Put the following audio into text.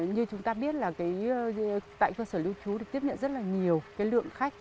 như chúng ta biết là tại cơ sở lưu trú được tiếp nhận rất là nhiều lượng khách